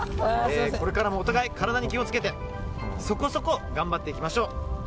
これからも、お互い体に気を付けてそこそこ頑張っていきましょう。